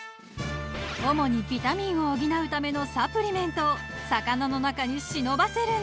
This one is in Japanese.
［主にビタミンを補うためのサプリメントを魚の中に忍ばせるんです］